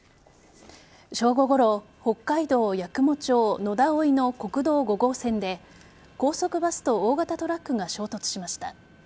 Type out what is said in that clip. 正午ごろ北海道八雲町野田生の国道５号線で高速バスと大型トラックが衝突しました。